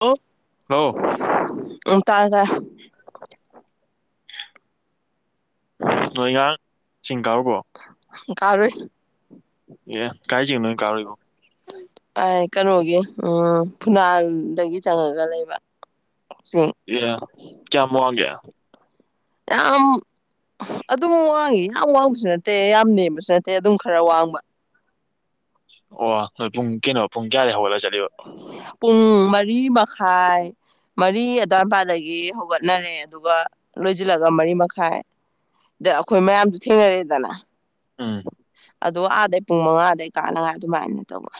ꯑꯣ ꯍꯂꯣ ꯎꯝ ꯇꯥꯥꯏ ꯇꯥꯏ ꯅꯣꯏꯒ ꯆꯤꯡ ꯀꯥꯔꯨꯕꯣ ꯀꯥꯔꯨꯏ ꯑꯦ ꯀꯥꯏ ꯅ ꯀꯥꯥꯎꯔꯤꯕ ꯑꯦ ꯀꯩꯅꯣꯒꯤ ꯎꯝ ꯐꯨꯅꯥꯜꯗꯒꯤ ꯆꯪꯉꯒ ꯂꯩꯕ ꯆꯤꯡ ꯌꯥ ꯀꯌꯥ ꯃꯥꯡꯒꯦ ꯌꯥꯝ ꯑꯗꯨꯝ ꯋꯥꯡꯉꯤ ꯌꯥꯝ ꯋꯥꯡꯕꯁꯨ ꯅꯠꯇꯦ ꯌꯥꯝ ꯅꯦꯝꯕꯁꯨ ꯅꯠꯇꯦ ꯑꯗꯨꯝ ꯈꯔ ꯋꯥꯡꯕ ꯑꯣ ꯅꯣꯏ ꯄꯨꯡ ꯀꯩꯅꯣ ꯄꯨꯡ ꯀꯌꯥꯗ ꯍꯧꯒꯠꯂꯁꯤ ꯆꯂꯤ ꯄꯨꯡ ꯃꯔꯤ ꯃꯈꯥꯏ ꯃꯔꯤ ꯑ꯭ꯋꯥꯏꯄꯥꯗꯒꯤ ꯍꯧꯒꯠꯅꯔꯦ ꯑꯗꯨꯒ ꯂꯣꯏꯁꯤꯜꯂꯒ ꯃꯔꯤ ꯃꯈꯥꯏꯗ ꯑꯩꯈꯣꯏ ꯃꯌꯥꯝꯁꯨ ꯊꯦꯡꯅꯔꯦꯗꯅ ꯎꯝ ꯑꯗꯣ ꯑꯥꯗꯩ ꯄꯨꯡ ꯃꯉꯥꯗꯩ ꯀꯥꯅꯉꯥꯏ ꯑꯗꯨꯃꯥꯏꯅ ꯇꯧꯕ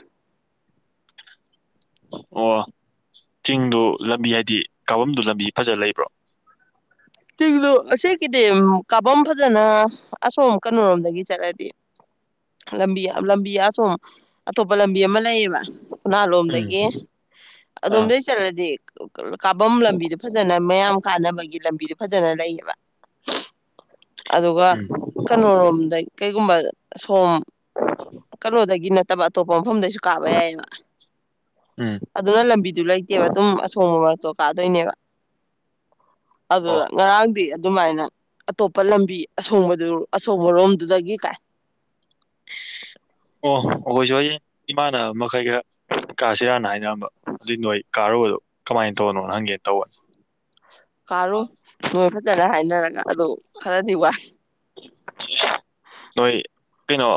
ꯑꯣ ꯆꯤꯡꯗꯨ ꯂꯝꯕꯤ ꯍꯥꯏꯗꯤ ꯀꯥꯐꯝꯗꯨ ꯂꯝꯕꯤ ꯐꯖ ꯂꯩꯕ꯭ꯔꯣ ꯑꯀꯤꯗꯤ ꯀꯥꯐꯝ ꯐꯖꯅ ꯑꯁꯣꯝ ꯀꯩꯅꯣꯔꯣꯝꯗꯒꯤ ꯆꯠꯂꯗꯤ ꯂꯝꯕꯤ ꯂꯝꯕꯤ ꯑꯁꯣꯝ ꯑꯇꯣꯞꯄ ꯂꯝꯕꯤ ꯑꯃ ꯂꯩꯌꯦꯕ ꯎꯅꯥ ꯎꯝ ꯂꯣꯝꯗꯒꯤ ꯑꯥ ꯑꯗꯣꯝꯗꯒꯤꯩ ꯆꯠꯂꯗꯤ ꯀꯥꯐꯝ ꯂꯝꯕꯤꯗꯣ ꯐꯖꯅ ꯃꯌꯥꯝ ꯀꯥꯟꯅꯕꯒꯤ ꯂꯝꯕꯤꯗ ꯐꯖꯅ ꯂꯩꯌꯦꯕ ꯑꯗꯨꯒ ꯎꯝ ꯀꯩꯅꯣꯔꯣꯝꯗꯩ ꯀꯩꯒꯨꯝꯕ ꯁꯣꯝ ꯀꯜ ꯍꯗꯗꯒꯤ ꯏ ꯅ ꯣ ꯃꯐꯝꯗꯩꯁꯨ ꯀꯥꯕ ꯌꯥꯏꯑꯕ ꯎꯝ ꯑꯗꯨꯅ ꯂꯝꯕꯤꯗꯨ ꯂꯩꯇꯦꯕ ꯑꯗꯨꯝ ꯑꯁꯣꯡꯕ ꯃꯔ ꯇꯣ ꯀꯥꯗꯣꯏꯅꯦꯕ ꯑꯣ ꯑꯗꯨꯗ ꯉꯔꯥꯡꯗꯤ ꯑꯗꯨꯃꯥꯏꯅ ꯑꯇꯣꯞꯄ ꯂꯝꯕꯤ ꯑꯁꯣꯡꯕꯗꯨ ꯑꯁꯣꯡꯕꯔꯣꯝꯗꯨꯗꯒꯤ ꯀꯥꯏ ꯑꯣ ꯑꯩꯈꯣꯏꯁꯨ ꯑꯩ ꯏꯃꯥꯟꯅꯕ ꯃꯈꯩ ꯈꯔ ꯀꯥꯁꯤꯔꯥꯟꯅ ꯍꯥꯏꯅꯔꯝꯕ ꯑꯗꯨꯏ ꯅꯣꯏ ꯀꯥꯔꯨꯕꯗꯣ ꯀꯃꯥꯏꯅ ꯇꯧꯕꯅꯣ ꯍꯪꯒꯦꯅ ꯇꯧꯕꯅꯤ ꯀꯣ ꯐꯖꯅ ꯍꯥꯏꯅꯔꯒ ꯑꯗꯨ ꯈꯔꯗꯤ ꯋꯥ ꯅꯣꯏ ꯀꯩꯅꯣ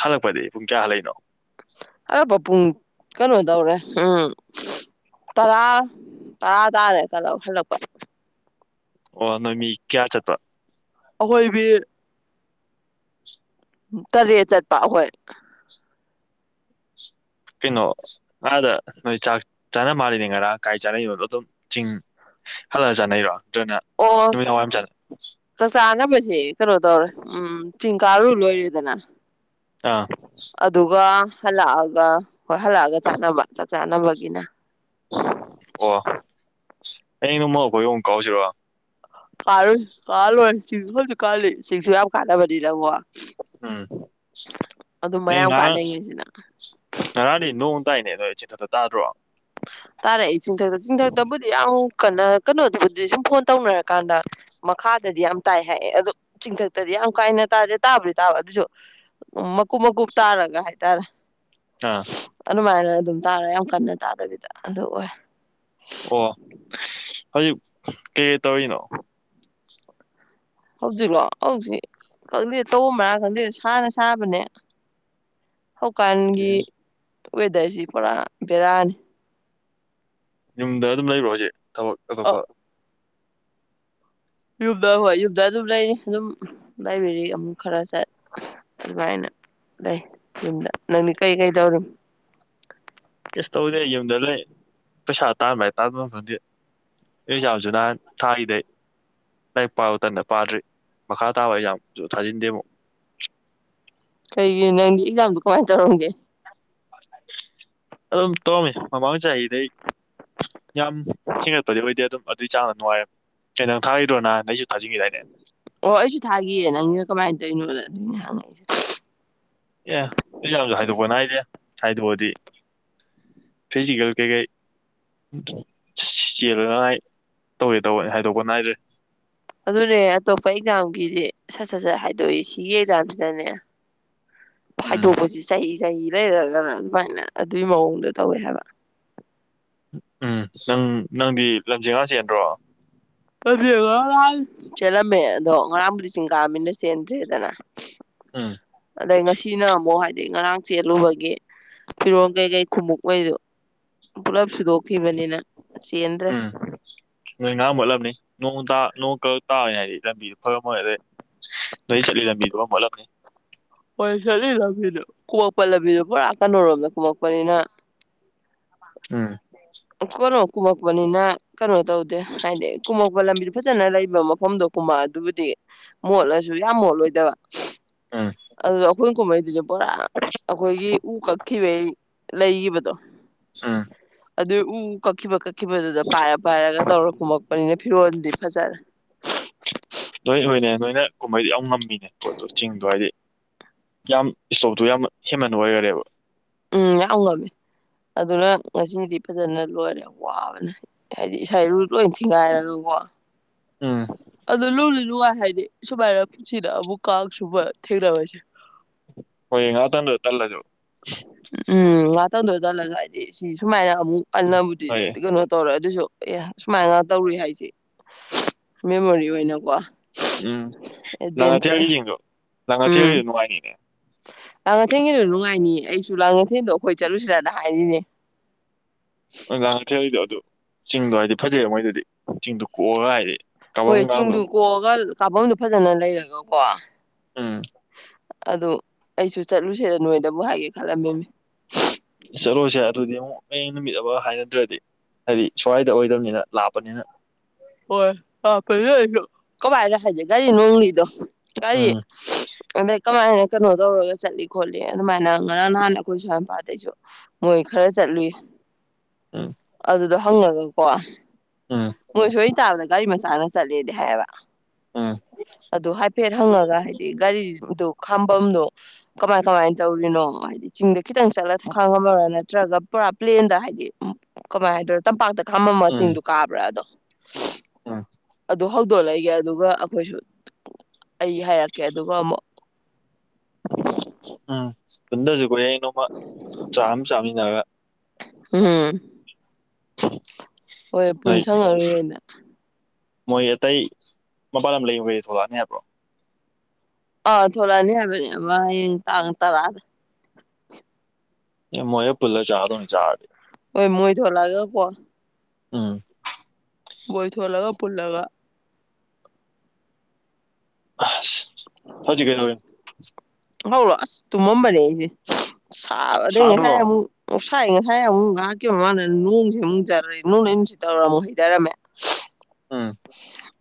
ꯍꯜꯂꯛꯄꯗꯤ ꯄꯨꯡ ꯀꯌꯥ ꯍꯜꯂꯛꯏꯅꯣ ꯍꯜꯂꯛꯄ ꯄꯨꯡ ꯀꯩꯅꯣ ꯇꯧꯔꯦ ꯎꯝ ꯇꯔꯥ ꯇꯔꯥ ꯇꯥꯔꯦ ꯍꯜꯂꯛꯄ ꯑꯣ ꯅꯃꯤ ꯀꯌꯥ ꯆꯠꯇ ꯑꯩꯈꯣꯏꯕꯤ ꯇꯔꯦꯠ ꯆꯠꯄ ꯑꯩꯈꯣꯏ ꯀꯩꯅꯣ ꯉꯥꯗ ꯅꯣꯏ ꯆꯥꯛ ꯆꯥꯅ ꯃꯥꯜꯂꯤꯅꯦ ꯉꯔꯥꯡ ꯀꯥꯏ ꯆꯥꯅꯩꯅꯣꯗꯣ ꯑꯗꯨꯝ ꯆꯤꯡ ꯍꯜꯂꯒ ꯆꯥꯅꯩꯔꯣ ꯅꯠꯇ꯭ꯔꯅ ꯑꯣ ꯅꯨꯃꯤꯗꯥꯡ ꯋꯥꯏꯔꯝ ꯆꯥꯅ ꯆꯥꯛ ꯆꯥꯅꯕꯁꯦ ꯀꯩꯅꯣ ꯇꯧꯔꯦ ꯎꯝ ꯆꯤꯡ ꯀꯥꯔꯨ ꯂꯣꯏꯔꯗꯅ ꯑꯥ ꯍꯜꯂꯛꯑꯒ ꯍꯣꯏ ꯍꯜꯂꯛꯑꯒ ꯆꯥꯅꯕ ꯆꯥꯛ ꯆꯥꯅꯕꯒꯤꯅ ꯑꯣ ꯑꯩ ꯅꯣꯡꯃ ꯑꯩꯈꯣꯏ ꯑꯈꯨꯝ ꯀꯥꯎꯁꯤꯔꯣ ꯀꯥꯔꯨꯁꯤ ꯀꯥꯔ ꯂꯣꯏꯔꯦ ꯁꯤꯁꯤꯡꯁꯣꯜꯁꯨ ꯀꯜ ꯁꯤꯁꯤꯡꯁꯕ ꯀꯥꯗꯕꯗꯤꯔ ꯎꯝ ꯑꯗꯨꯝ ꯑꯩ ꯃꯌꯥꯝ ꯉꯍꯥꯟ ꯀꯥꯟꯅꯩꯉꯩꯁꯤꯅ ꯉꯔꯥꯡꯗꯩ ꯅꯣꯡ ꯑꯗꯨꯗꯥꯏꯅꯦ ꯑꯗꯣ ꯑꯗꯨꯗꯗ ꯇꯥꯗ꯭ꯔꯣ ꯇꯥꯔꯛꯏ ꯆꯤꯡꯊꯛꯇ ꯆꯤꯡꯊꯛꯇꯕꯨꯗꯤ ꯌꯥꯝ ꯀꯟꯅ ꯀꯩꯅꯣꯗꯨꯕꯨꯗꯤ ꯁꯨꯝ ꯐꯣꯟ ꯇꯧꯅꯔꯀꯥꯟꯗ ꯃꯈꯥꯗꯗꯤ ꯌꯥꯝ ꯇꯥꯏ ꯍꯥꯏꯌꯦ ꯑꯗꯣ ꯆꯤꯡꯊꯛꯇꯗꯤ ꯌꯥꯝ ꯀꯥꯏꯅ ꯇꯥꯗꯦ ꯇꯥꯕꯗꯤ ꯇꯥꯕ ꯑꯗꯨꯁꯨ ꯃꯀꯨꯞ ꯃꯀꯨꯞ ꯇꯥꯔꯒ ꯍꯥꯏꯇꯥꯔꯦ ꯑꯥ ꯑꯗꯨꯃꯥꯏꯅ ꯑꯗꯨꯝ ꯇꯥꯔꯦ ꯌꯥꯝ ꯀꯟꯅ ꯇꯥꯗꯕꯤꯗ ꯑꯗꯨ ꯑꯣꯏ ꯑꯣ ꯍꯧꯖꯤꯛ ꯀꯩ ꯀꯩ ꯇꯧꯔꯤꯅꯣ ꯍꯧꯖꯤꯛꯂꯣ ꯍꯧꯖꯤꯛ ꯈꯪꯗꯦ ꯇꯧꯕꯝ ꯃꯔꯥꯡ ꯈꯪꯗꯦ ꯁꯥꯅ ꯁꯥꯕꯅꯦ ꯍꯧꯀꯥꯟꯒꯤ ꯋꯦꯗꯔꯁꯤ ꯄꯨꯔꯥ ꯕꯦꯔꯥꯅꯤ ꯌꯨꯝꯗ ꯑꯗꯨꯝ ꯂꯩꯕ꯭ꯔꯣ ꯍꯧꯖꯤꯛ ꯊꯕꯛ ꯑꯇꯣꯞꯄ ꯑ ꯌꯨꯝꯗ ꯍꯣꯏ ꯌꯨꯝꯗ ꯑꯗꯨꯝ ꯂꯩꯔꯤ ꯑꯗꯨꯝ ꯂꯥꯏꯕ꯭ꯔꯦꯔꯤ ꯑꯃꯨꯛ ꯈꯔ ꯆꯠ ꯑꯗꯨꯃꯥꯏꯅ ꯂꯩ ꯌꯨꯝꯗ ꯅꯪꯗꯤ ꯀꯩ ꯀꯩ ꯇꯧꯔꯤ ꯀꯩꯁꯨ ꯇꯧꯗꯦ ꯌꯨꯝꯗ ꯂꯩ ꯄꯩꯁꯥ ꯇꯥꯟꯕꯥꯏ ꯇꯥꯟꯕꯥꯟꯕ ꯐꯗꯦ ꯑꯦꯛꯖꯥꯝꯁꯨ ꯅꯍꯥꯟ ꯊꯥꯔꯤꯗꯩ ꯂꯥꯏꯔꯤꯛ ꯄꯥꯕꯇꯅ ꯄꯥꯗ꯭ꯔꯤ ꯃꯈꯥ ꯇꯥꯕ ꯑꯦꯛꯖꯥꯝꯁꯨ ꯊꯥꯖꯤꯟꯗꯦ ꯑꯃꯨꯛ ꯀꯩꯒꯤ ꯅꯪꯒꯤ ꯑꯦꯛꯖꯥꯝꯗꯣ ꯀꯃꯥꯏꯅ ꯇꯧꯔꯝꯒꯦ ꯑꯗꯨꯝ ꯇꯧꯔꯝꯃꯤ ꯃꯃꯥꯡ ꯆꯍꯤꯗꯩ ꯌꯥꯝ ꯍꯦꯟꯒꯠꯄꯗꯤ ꯑꯣꯏꯗꯦ ꯑꯗꯨꯝ ꯑꯗꯨꯏ ꯆꯥꯡꯅ ꯅꯨꯡꯉꯥꯏ ꯀꯩꯇꯪ ꯊꯥꯔꯤꯗ꯭ꯔꯣꯅ ꯅꯪꯁꯨ ꯊꯥꯖꯤꯟꯈꯤꯗꯥꯏꯅꯦ ꯑꯣ ꯑꯩꯁꯨ ꯊꯥꯈꯤꯌꯦ ꯅꯪꯅ ꯀꯃꯥꯏꯅ ꯇꯧꯔꯤꯅꯣꯗ ꯑꯗꯨꯏꯅꯦ ꯍꯪꯉꯛꯏꯁꯦ ꯑꯦ ꯑꯦꯛꯖꯥꯝꯁꯨ ꯍꯥꯏꯗꯣꯛꯄ ꯅꯥꯏꯗ꯭ꯔꯦ ꯍꯥꯏꯗꯣꯛꯑꯗꯤ ꯐꯤꯖꯤꯀꯦꯜ ꯀꯩꯀꯩ ꯆꯦꯜꯂꯅꯉꯥꯏ ꯇꯧꯋꯦ ꯇꯧꯕꯅꯤ ꯍꯥꯏꯗꯣꯛꯄ ꯅꯥꯏꯗ꯭ꯔꯦ ꯑꯗꯨꯅꯦ ꯑꯇꯣꯞꯄ ꯑꯦꯛꯖꯥꯝꯒꯤꯗꯤ ꯁꯠ ꯁꯠ ꯁꯠ ꯍꯥꯏꯗꯣꯛꯏ ꯁꯤꯒꯤ ꯑꯦꯛꯖꯥꯝꯁꯤꯗꯅꯦ ꯎꯝ ꯍꯥꯏꯗꯣꯛꯄꯁꯤ ꯆꯍꯤ ꯆꯍꯤ ꯂꯩꯔꯒꯅ ꯑꯗꯨꯃꯥꯏꯅ ꯑꯗꯨꯒꯤ ꯃꯑꯣꯡꯗꯣ ꯇꯧꯋꯦ ꯍꯥꯏꯕ ꯎꯝ ꯅꯪ ꯅꯪꯗꯤ ꯂꯝꯖꯦ ꯉꯥ ꯆꯦꯟꯗ꯭ꯔꯣ ꯂꯝꯖꯦꯜ ꯉꯔꯥꯡꯡ ꯆꯦꯜꯂꯝꯃꯦ ꯑꯗꯣ ꯉꯔꯥꯡꯕꯨꯗꯤ ꯆꯤꯡ ꯀꯥꯕꯅꯤꯅ ꯆꯦꯟꯗ꯭ꯔꯦꯗꯅ ꯎꯝ ꯑꯗꯩ ꯉꯁꯤꯅ ꯑꯃꯨꯛ ꯍꯥꯏꯗꯤ ꯉꯔꯥꯡ ꯆꯦꯜꯂꯨꯕꯒꯤ ꯐꯤꯔꯣꯜ ꯀꯩꯀꯩ ꯈꯨꯃꯨꯛꯉꯩꯗꯨ ꯄꯨꯂꯞ ꯁꯨꯗꯣꯛꯈꯤꯕꯅꯤꯅ ꯆꯦꯟꯗ꯭ꯔꯦ ꯎꯝ ꯅꯣꯏ ꯉꯍꯥ ꯃꯣꯠꯂꯝꯅꯤ ꯅꯣꯡꯒ ꯇꯥ ꯅꯣꯡ ꯀꯛ ꯇꯥꯔꯅꯤ ꯍꯥꯏꯗꯤ ꯂꯝꯕꯤꯗꯨꯣ ꯐꯉꯝꯃꯣꯏ ꯑꯗꯩ ꯅꯣꯏ ꯆꯠꯂꯤ ꯂꯝꯕꯤꯗꯨꯣ ꯃꯣꯠꯂꯝꯅꯤ ꯍꯣꯏ ꯆꯠꯂꯤ ꯂꯝꯕꯤꯗꯣ ꯀꯨꯝꯃꯛꯄ ꯂꯝꯕꯤꯗꯣ ꯄꯨꯔꯥ ꯀꯩꯅꯣ ꯔꯣꯝꯗ ꯀꯨꯝꯃꯛꯄꯅꯤꯅ ꯎꯝ ꯀꯩꯅꯣ ꯀꯨꯝꯃꯛꯄꯅꯤꯅ ꯀꯩꯅꯣ ꯇꯧꯗꯦ ꯍꯥꯏꯗꯤ ꯀꯨꯝꯃꯛꯄ ꯂꯝꯕꯤꯗ ꯐꯖꯅ ꯂꯩꯕ ꯃꯐꯝꯗꯣ ꯀꯨꯝꯃꯛꯑ ꯑꯗꯨꯕꯨꯗꯤ ꯃꯣꯠꯂꯁꯨ ꯌꯥꯝ ꯃꯣꯠꯂꯣꯏꯗꯕ ꯎꯝ ꯑꯗꯨ ꯃꯣꯏ ꯀꯨꯝꯃꯛꯏꯗꯨꯁꯨ ꯄꯨꯔꯥ ꯑꯩꯈꯣꯏꯒꯤ ꯎ ꯀꯛꯈꯤꯕꯩ ꯂꯩꯕꯗꯣ ꯎꯝ ꯑꯗꯨ ꯎ ꯀꯛꯈꯤꯕꯀ ꯆꯛꯈꯤꯕꯗꯨꯗ ꯄꯥꯏꯔ ꯄꯥꯏꯔꯒ ꯇꯧꯔꯀꯨꯃꯛ ꯄꯅꯤꯅ ꯐꯤꯔꯣꯜꯗꯤ ꯐꯖꯔꯦ ꯅꯣꯏ ꯍꯣꯏꯅꯦ ꯅꯣꯏꯅ ꯀꯨꯝꯍꯩꯗꯤ ꯌꯥꯝ ꯉꯝꯃꯦ ꯃꯤꯅꯦ ꯄꯣꯠꯇꯣ ꯆꯤꯡꯗꯣ ꯍꯥꯏꯗꯤ ꯌꯥꯝ ꯏꯁꯇꯣꯛꯇꯣ ꯌꯥꯝ ꯍꯦꯃꯟꯅ ꯑꯣꯏꯈꯔꯦꯕ ꯎꯝ ꯌꯥꯝ ꯉꯝꯃꯦ ꯑꯗꯨꯅ ꯉꯁꯤꯗꯤ ꯐꯖꯅ ꯂꯣꯏꯔꯦ ꯋꯥꯕꯅꯦ ꯍꯥꯏꯗꯤ ꯏꯁꯥꯏꯔꯨ ꯂꯣꯏ ꯊꯤꯡꯉꯥꯏꯔꯒꯀꯣ ꯎꯝ ꯑꯗꯨꯂꯣ ꯅꯨꯡꯉꯥꯏ ꯍꯥꯏꯗꯤ ꯁꯨꯃꯥꯏꯅ ꯄꯨꯟꯁꯤꯗ ꯑꯃꯨꯛꯀ ꯁꯨꯕ ꯊꯦꯡꯅꯕꯁꯦ ꯍꯣꯏ ꯉꯍꯥꯛꯇꯡꯗꯣ ꯇꯜꯂꯁꯨ ꯎꯝ ꯉꯥꯛ ꯇꯟꯗꯣ ꯇꯜꯂꯖꯨ ꯍꯥꯏꯗꯤ ꯁꯤ ꯁꯨꯃꯥꯏꯅ ꯑꯃꯨꯛ ꯑꯟꯅꯕꯨꯗꯤ ꯍꯣꯏ ꯀꯩꯅꯣ ꯇꯧꯔꯦ ꯑꯗꯨꯁꯨ ꯑꯦ ꯁꯨꯃꯥꯏꯅ ꯇꯧꯔꯨ ꯍꯥꯏꯁꯤ ꯃꯦꯃꯣꯔꯤ ꯑꯣꯏꯅꯀꯣ ꯎꯝ ꯂꯥꯡꯉꯊꯦꯜꯒꯤ ꯑꯦꯗꯚꯦꯟꯆꯔ ꯆꯤꯡꯗꯣ ꯂꯥꯡꯉꯊꯦꯜꯒꯤꯗꯣ ꯅꯨꯡꯉꯥꯏꯅꯤꯅꯦ ꯂꯥꯡꯉꯊꯦꯜꯒꯤꯁꯨ ꯅꯨꯡꯉꯥꯏꯅꯤ ꯑꯩꯁꯨ ꯂꯥꯡꯉꯊꯦꯜꯗꯣ ꯑꯩꯈꯣꯏ ꯆꯠꯂꯨꯁꯤꯔꯅ ꯍꯥꯏꯔꯤꯅꯦ ꯂꯥꯡꯉꯊꯦꯜꯒꯤꯗꯣ ꯑꯗꯨ ꯆꯤꯡꯗꯣ ꯍꯥꯏꯗꯤ ꯐꯖꯩꯕ ꯃꯣꯏꯗꯨꯗꯤ ꯆꯤꯡꯗꯨ ꯀꯣꯛꯑꯒ ꯍꯥꯏꯔꯦ ꯍꯣꯏ ꯆꯤꯡꯗꯨ ꯀꯣꯛꯑꯒ ꯀꯥꯐꯝꯗꯨ ꯐꯖꯅ ꯂꯩꯔꯒꯀꯣ ꯎꯝ ꯑꯗꯨ ꯑꯩꯁꯨ ꯆꯠꯂꯨꯁꯦꯗ ꯅꯣꯏꯗꯕꯨ ꯍꯥꯏꯒꯦ ꯈꯜꯂꯝꯃꯤꯃꯤ ꯆꯠꯂꯣꯁꯦ ꯑꯗꯨꯗꯤ ꯑꯃꯨꯛ ꯍꯌꯦꯡ ꯅꯨꯃꯤꯠ ꯑꯃ ꯍꯥꯏꯅꯗ꯭ꯔꯗꯤ ꯍꯥꯏꯗꯤ ꯁ꯭ꯋꯥꯏꯗ ꯑꯣꯏꯗꯕꯅꯤꯅ ꯂꯥꯛꯄꯅꯤꯅ ꯍꯣꯏ ꯂꯥꯞꯄꯅꯤꯅ ꯑꯩꯖ ꯀꯃꯥꯏꯗ ꯍꯥꯏꯗꯤ ꯒꯥꯔꯤ ꯅꯣꯡꯂꯤꯗꯣ ꯀꯔꯤ ꯎꯝ ꯑꯗ ꯀꯃꯥꯏꯅ ꯀꯩꯅꯣ ꯇꯧꯔꯒ ꯆꯠꯂꯤ ꯈꯣꯠꯂꯤ ꯑꯗꯨꯃꯥꯏꯅ ꯉꯔꯥꯡ ꯅꯍꯥꯟ ꯑꯩꯈꯣꯏ ꯁ꯭ꯋꯥꯏꯄꯥꯗꯩꯁꯨ ꯃꯣꯏ ꯈꯔ ꯆꯠꯂꯨꯏ ꯎꯝ ꯑꯗꯨꯗꯣ ꯍꯪꯉꯒꯀꯣ ꯎꯝ ꯃꯣꯏ ꯁꯣꯏ ꯇꯥꯕꯗ ꯒꯥꯔꯤ ꯃꯆꯥꯅ ꯆꯠꯂꯦꯗꯤ ꯍꯥꯏꯕ ꯎꯝ ꯑꯗꯨ ꯍꯥꯏꯐꯦꯠ ꯍꯪꯉꯒ ꯍꯥꯏꯗꯤ ꯒꯥꯔꯤꯗꯨ ꯈꯥꯝꯕꯝꯗꯣ ꯀꯃꯥꯏ ꯀꯃꯥꯏꯅ ꯇꯧꯔꯤꯅꯣ ꯍꯥꯏꯗꯤ ꯆꯤꯡꯗ ꯈꯤꯇꯪ ꯆꯠꯂꯒ ꯊꯈꯥꯡ ꯑꯃꯃꯔ ꯅꯠꯇ꯭ꯔꯒ ꯄꯨꯔꯥ ꯄ꯭ꯂꯦꯟꯗ ꯍꯥꯏꯗꯤ ꯀꯃꯥꯏ ꯍꯥꯏꯗꯣꯏꯔꯣ ꯇꯝꯄꯥꯛꯇ ꯈꯥꯝꯃꯝꯝꯕ ꯎꯝ ꯆꯤꯡꯗꯨꯣ ꯀꯥꯕ꯭ꯔꯥ ꯑꯗꯣ ꯎꯝ ꯑꯗꯨ ꯍꯧꯗꯣꯛꯂꯛꯏꯒꯦ ꯑꯗꯨꯒ ꯑꯩꯈꯣꯏꯁꯨ ꯑꯩ ꯍꯥꯏꯔꯛꯀꯦ ꯑꯗꯨꯒ ꯑꯃꯨꯛ ꯎꯝ ꯍꯟꯗꯁꯨ ꯍꯌꯦꯡ ꯅꯣꯡꯃ ꯆꯥꯛ ꯑꯃ ꯆꯥꯃꯤꯟꯅꯔꯒ ꯎꯝ ꯍꯣꯏ ꯄꯨꯟ ꯑꯩ ꯁꯪꯉꯔꯣꯏꯉꯩꯗ ꯃꯣꯏ ꯑꯇꯩ ꯃꯄꯥꯜ ꯂꯝ ꯂꯩꯕꯒꯩ ꯊꯣꯛꯂꯛꯑꯅꯤ ꯍꯥꯏꯕ꯭ꯔꯣ ꯑꯥ ꯊꯂꯛꯑꯅꯤ ꯍꯥꯏꯕꯅꯦ ꯑꯃꯥ ꯍꯌꯦꯡ ꯇꯥꯡ ꯇꯔꯥꯗ ꯃꯣꯏ ꯑꯣꯏ ꯃꯣꯏ ꯊ ꯂꯒꯦ ꯀꯣ ꯎꯝ ꯣꯏ ꯊꯂꯒ ꯄꯨꯜꯂꯒ ꯑ ꯍꯧꯖꯤꯒꯦ ꯍꯔꯣ ꯑꯁ ꯇꯨꯝꯃꯝꯕꯅꯦ ꯑꯩꯁꯦ ꯁꯥꯕꯗ ꯁꯥꯗ꯭ꯔꯣ ꯉꯁꯥꯏꯦ ꯁꯥꯏꯅ ꯍꯥꯏꯥꯏ ꯑꯃꯨꯛ ꯉꯥꯏꯍꯥꯛꯀꯤ ꯃꯃꯥꯅ ꯅꯣꯡꯁꯦ ꯑꯃꯨꯛ ꯆꯔꯦ ꯅꯣꯡꯅꯩ ꯅꯨꯡꯁꯤ ꯇꯧꯔ ꯑꯃꯨꯛ ꯍꯩꯊꯔꯝꯃꯦ ꯑꯥ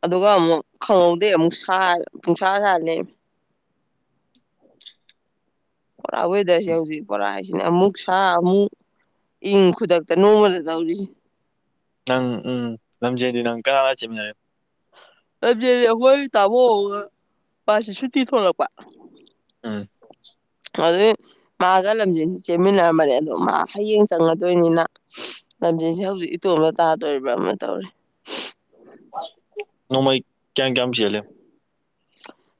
ꯑꯗꯨꯒ ꯑꯃꯨꯛ ꯈꯪꯍꯧꯗꯦ ꯑꯃꯨꯛ ꯁꯥ ꯄꯨꯡꯁꯥ ꯁꯥꯔꯅꯤ ꯣꯔꯥ ꯋꯦꯗꯔꯁꯦ ꯍꯧꯖꯤꯛ ꯣꯔꯥ ꯍꯥꯏꯁꯤꯅ ꯑꯃꯨꯛ ꯁꯥ ꯑꯃꯨꯛ ꯏꯪ ꯈꯨꯗꯛꯇ ꯅꯣꯡꯃꯗ ꯇꯧꯔꯤꯁꯤꯦ ꯅꯪ ꯎꯝ ꯂꯝꯝꯖꯩꯗꯨ ꯅꯪ ꯀꯅꯥ ꯂ ꯆꯦꯃꯤꯟꯅꯦ ꯑꯩꯈꯣꯏ ꯇꯥꯕꯣ ꯃꯥꯁꯤ ꯁꯨꯇꯤ ꯊꯣꯂꯛꯄ ꯎꯝ ꯑꯗꯨ ꯃꯥꯒ ꯂꯝꯖꯦꯟꯁꯦ ꯆꯦꯟꯃꯤꯟꯅꯔꯝꯕꯅꯦ ꯑꯗꯣ ꯃꯥ ꯍꯌꯦꯡ ꯆꯪꯉꯗꯣꯏꯅꯤꯅ ꯂꯝꯖꯦꯟꯁꯦ ꯍꯧꯖꯤꯛ ꯏꯇꯣꯝꯗ ꯇꯥꯗꯣꯔꯤꯕ꯭ꯔꯥ ꯑꯃ ꯇꯧꯔꯦ ꯅꯃꯩ ꯀꯌꯥꯝ ꯀꯌꯥꯝ ꯆꯂꯦ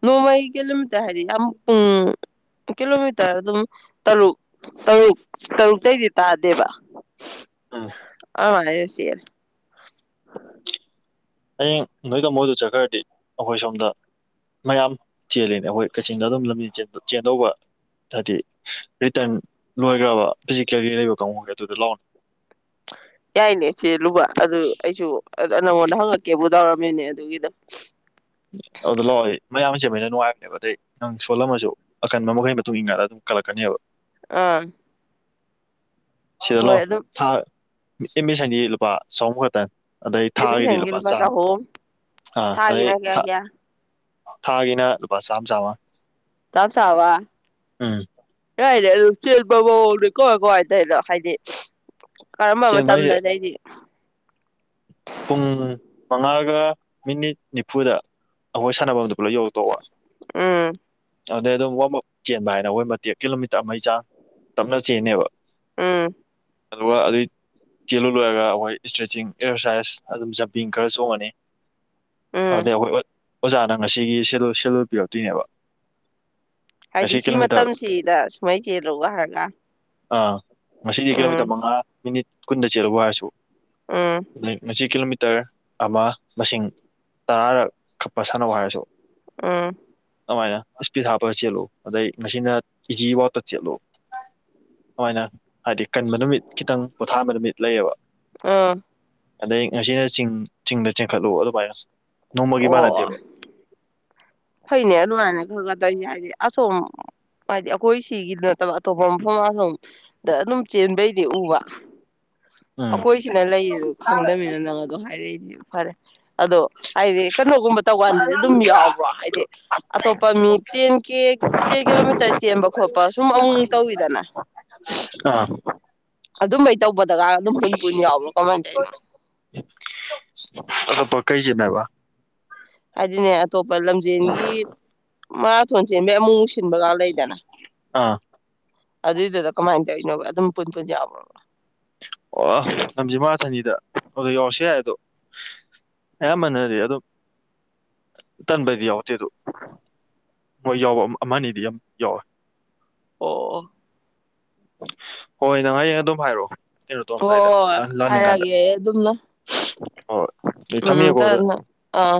ꯅꯣꯡꯃꯩ ꯀꯤꯂꯣꯃꯤꯇꯔ ꯍꯥꯏꯗꯤ ꯌꯥꯝ ꯄꯨꯡ ꯀꯤꯂꯣꯃꯤꯇꯔ ꯑꯗꯨꯝ ꯇꯔꯨꯛ ꯇꯔꯨꯛ ꯇꯔꯨꯛꯇꯩꯩꯗꯤ ꯇꯥꯗꯦꯕ ꯑꯝ ꯑ ꯁꯤꯦꯔ ꯍꯌꯦꯡ ꯅꯣꯏ ꯇꯥꯃꯣꯏꯗ ꯆꯠꯈ꯭ꯔꯗꯤ ꯑꯩꯈꯣꯏ ꯁꯣꯝꯗ ꯃꯌꯥꯝ ꯆꯦꯜꯂꯤꯅꯤ ꯑꯩꯈꯣꯏ ꯀꯛꯆꯤꯡꯗ ꯑꯗꯨꯝ ꯂꯝꯕꯤ ꯆꯦꯟꯗꯧꯕ ꯍꯥꯏꯗꯤ ꯔꯤꯇꯔꯟ ꯂꯣꯏꯈ꯭ꯔꯕ ꯐꯤꯖꯤꯀꯦꯒꯤ ꯂꯩꯕ ꯀꯥꯡꯒꯦ ꯑꯗꯨꯗ ꯂꯥꯛꯅꯤ ꯑ ꯅꯪꯉꯣꯟꯗ ꯍꯪꯉꯛꯀꯦꯕꯨ ꯇꯧꯔꯝꯃꯤꯅꯦ ꯑꯗꯨꯒꯤꯗꯣ ꯑꯗꯨꯗ ꯂꯥꯛꯑꯣ ꯃꯌꯥꯝꯁꯦ ꯃꯣꯏꯅ ꯅꯨꯡꯉꯥꯏꯕꯅꯦꯕ ꯑꯗꯩ ꯅꯪ ꯁꯣꯜꯂꯝꯃꯁꯨ ꯑꯀꯟꯕ ꯃꯈꯩ ꯃꯇꯨꯡ ꯏꯟꯟꯅꯥꯏꯂꯒ ꯑꯗꯨꯝ ꯀꯜꯂꯛꯀꯅꯦꯕ ꯑꯥ ꯁꯤꯂꯣ ꯍꯣꯏ ꯑꯗꯨꯝ ꯃꯤꯁꯟꯅꯤ ꯂꯨꯄꯥ ꯆꯍꯨꯝ ꯈꯛꯇꯪ ꯑꯗꯩ ꯃꯤ ꯊꯥꯒꯤꯗꯤ ꯁꯦꯡꯒꯦ ꯂꯨꯄꯥ ꯃꯥꯖꯥ ꯆꯥꯝꯃ ꯍ ꯑꯥ ꯑꯗꯩ ꯊꯥꯥꯏꯅꯒ ꯌꯥ ꯊꯥꯒꯤꯅ ꯂꯨꯄꯥ ꯆꯥꯝꯃ ꯆꯥꯝꯃ ꯇꯞ ꯆꯕ ꯎꯝ ꯀꯅꯦ ꯑꯗꯨ ꯆꯦꯟꯕ ꯃꯑꯣꯡꯅꯦ ꯀ ꯀ ꯍꯥꯏ ꯇꯩꯅꯣ ꯍꯥꯏꯗꯤ ꯀꯔꯝꯕ ꯆꯦꯟꯕ ꯍꯥꯏꯁꯦ ꯃꯇꯝꯗꯗꯩꯗꯤ ꯄꯨꯡ ꯃꯉꯥꯒ ꯃꯤꯅꯤꯠ ꯅꯤꯐꯨꯗ ꯑꯩꯈꯣꯏ ꯁꯥꯟꯅꯐꯝꯗ ꯄꯨꯂꯞ ꯌꯧꯔꯛꯇꯧꯕ ꯎꯝ ꯑꯗꯩ ꯑꯗꯨꯝ ꯋꯥ ꯆꯦꯟꯕ ꯍꯥꯏꯅ ꯑꯩꯋꯣꯏ ꯃꯇꯦꯛ ꯀꯤꯂꯣꯃꯤꯇꯔ ꯃꯩ ꯆꯥ ꯇꯞꯅ ꯆꯦꯟꯅꯦꯕ ꯎꯝ ꯑꯗꯨꯒ ꯑꯗꯨꯒꯤ ꯆꯦꯜꯂꯨ ꯂꯣꯏꯔꯒ ꯑꯩꯈꯣꯏ ꯏꯁꯇ꯭ꯔꯦꯠꯆꯤꯡ ꯑꯦꯛꯁꯔꯁꯥꯏꯁ ꯑꯗꯨꯝ ꯖꯄꯡ ꯈꯔ ꯆꯣꯡꯉꯅꯤ ꯎꯝ ꯑꯗꯨꯗ ꯍꯈꯣꯏ ꯑꯣꯖꯥꯅ ꯉꯁꯤꯒꯤ ꯁꯦꯂꯣꯜ ꯄꯤꯔꯛꯇꯣꯏꯅꯦꯕ ꯍꯥꯏꯗꯤ ꯉꯁꯤ ꯁꯤ ꯀꯤꯂꯣꯃꯤꯇꯔ ꯃꯇꯝꯁꯤꯗ ꯁꯨꯃꯥꯏ ꯆꯦꯜꯂꯨ ꯍꯥꯏꯔꯒ ꯑꯥ ꯎꯝ ꯁ꯭ꯀꯨꯟꯗ ꯆꯦꯂꯨꯕꯨ ꯍꯥꯏꯔꯁꯨ ꯑ ꯁꯤ ꯀꯤꯂꯣꯃꯤꯇꯔ ꯑꯃ ꯃꯁꯤꯡ ꯇꯔꯥꯔ ꯀꯛꯄ ꯁꯥꯟꯅꯧ ꯍꯥꯏꯔꯁꯨ ꯑꯥ ꯑꯗꯨꯃꯥꯏꯅ ꯏꯁꯄꯤꯠ ꯍꯥꯞꯄꯒ ꯆꯦꯜꯂꯨ ꯑꯗꯩ ꯉꯁꯤꯅ ꯏꯤꯖꯤ ꯋꯥꯎꯇ ꯆꯦꯜꯂꯨ ꯑꯗꯨꯃꯥꯏꯅ ꯍꯥꯏꯗꯤ ꯀꯟꯕ ꯅꯨꯃꯤꯠ ꯈꯤꯇꯪ ꯄꯣꯊꯥꯕ ꯅꯨꯃꯤꯠ ꯂꯩꯌꯦꯕ ꯑꯥ ꯑꯗꯩ ꯉꯁꯤꯅ ꯆꯤꯡ ꯆꯤꯡꯗ ꯆꯤꯡꯈꯠꯂꯨ ꯑꯗꯨꯃꯥꯏꯅ ꯅꯣꯡꯃꯒꯤ ꯑꯣ ꯃꯥꯟꯅꯗꯦꯕ ꯐꯩꯅꯦ ꯑꯗꯨꯃꯥꯏꯅ ꯈꯪꯒꯗꯣꯏꯅꯤ ꯍꯥꯏꯗꯤ ꯑꯁꯣꯝ ꯍꯥꯏꯗꯤ ꯑꯩꯈꯣꯏ ꯁꯤꯒꯤ ꯅꯠꯇꯕ ꯑꯇꯣꯞꯄ ꯃꯐꯝ ꯑꯁꯣꯝꯗ ꯑꯗꯨꯝ ꯆꯦꯟꯕꯩꯗꯤ ꯎꯕ ꯎꯝ ꯑꯩꯈꯣꯏꯁꯤꯅ ꯂꯩꯗ ꯈꯪꯗꯅꯤꯅ ꯅꯪ ꯑꯗꯣ ꯍꯥꯏꯔꯛꯏꯁꯦ ꯐꯔꯦ ꯑꯗꯣ ꯍꯥꯏꯗꯤ ꯀꯩꯅꯣꯒꯨꯝꯕ ꯇꯧꯀꯥꯟꯗꯗꯤ ꯑꯗꯨꯝ ꯌꯥꯎꯕ꯭ꯔꯣ ꯍꯥꯏꯗꯤ ꯑꯇꯣꯞꯄ ꯃꯤ ꯇꯦꯟ ꯀꯦ ꯇꯦꯟ ꯀꯤꯂꯣꯃꯤꯇꯔ ꯆꯦꯟꯕ ꯈꯣꯠꯄ ꯁꯨꯝ ꯑꯃꯨꯛ ꯇꯧꯋꯤꯗꯅ ꯑꯥ ꯑꯗꯨꯃ ꯇꯧꯕꯗꯒ ꯝꯟꯄꯅꯤ ꯌꯥꯕ꯭ꯔꯣ ꯀꯃꯥꯏ ꯇꯥꯏꯅ ꯀꯩꯁꯦꯃꯦꯕ ꯑꯗꯨ ꯑꯗꯨꯅꯦ ꯑꯇꯣꯞꯄ ꯂꯝꯖꯦꯟꯒꯤ ꯃꯥ ꯊꯣꯟꯁꯤꯦ ꯃ ꯁꯤꯕꯒ ꯂꯩꯗꯅ ꯑꯥ ꯑꯗꯨꯏꯗꯨꯗ ꯀꯃꯥꯏꯅ ꯇꯧꯔꯤꯅꯣꯕ ꯑꯗꯨꯝ ꯄꯨꯟ ꯄꯨꯟ ꯌꯥꯎꯕ꯭ꯔꯕ ꯑꯣꯥ ꯂꯝꯖꯤꯡ ꯃꯥꯊꯅꯤꯗ ꯑꯗꯨꯗ ꯌꯥꯎꯔꯁꯨ ꯌꯥꯏ ꯑꯗꯣ ꯑꯌꯥꯝꯕꯅꯗꯤ ꯑꯗꯨꯝ ꯇꯟꯕꯗꯤ ꯌꯥꯎꯔꯗꯦ ꯑꯗꯨ ꯃꯣꯏ ꯌꯥꯎꯕ ꯑꯃꯅꯤ ꯑꯗꯤ ꯌꯥꯝ ꯌꯥꯎꯋꯦ ꯑꯣ ꯍꯣꯏ ꯅꯪ ꯍꯌꯦꯡ ꯑꯗꯨꯝ ꯍꯥꯏꯔꯛꯑꯣ ꯀꯩꯅꯣ ꯍꯣꯏ ꯇꯧꯑꯝꯗꯥꯏꯗ ꯍꯣꯏ ꯂꯥꯟꯅꯤꯡꯀꯥꯟꯗ ꯍꯥꯏꯔꯛꯑꯒꯦ ꯑꯩ ꯑꯗꯨꯝꯅ ꯍꯣꯏꯣꯏ ꯑꯗꯨ ꯎꯝ ꯊꯝꯃꯦꯌꯦꯀꯣ ꯑꯗꯨꯗ ꯇꯞꯅ ꯑꯥ